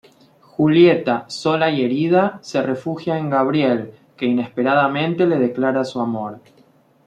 Julieta, sola y herida, se refugia en Gabriel, que inesperadamente le declara su amor.